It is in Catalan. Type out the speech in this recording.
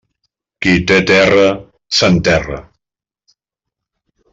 Qui té terra, s'enterra.